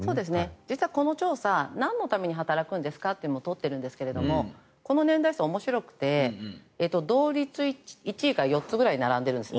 実はこの調査なんのために働くんですかというのも取っているんですがこの年代層、面白くて同率１位が４つぐらい並んでるんです。